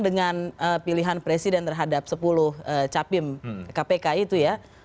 dengan pilihan presiden terhadap sepuluh capim kpk itu ya